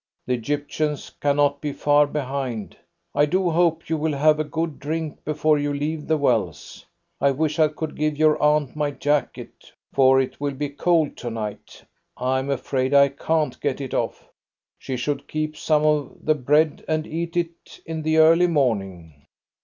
The Egyptians cannot be far behind. I do hope you will have a good drink before you leave the wells. I wish I could give your aunt my jacket, for it will be cold to night. I'm afraid I can't get it off. She should keep some of the bread, and eat it in the early morning."